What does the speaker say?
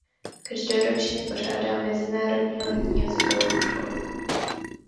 Každoročně pořádá mezinárodní letní jazykovou školu.